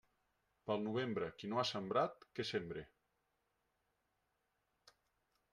Pel novembre, qui no ha sembrat, que sembre.